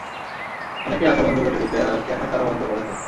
অনেকে আসা বন্ধ করে দিছে আর কেনই তারা বন্ধ করেছে?